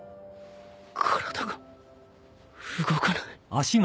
体が動かない